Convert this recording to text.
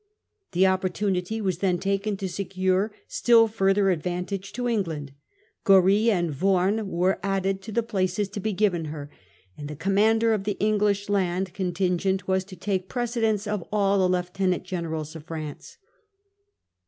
The opportunity was then taken to secure still fur ther advantages for England. Goree and Worne were added to the places to be given her ; and the commander of the English land contingent was to take precedence of all the lieutenant generals of France.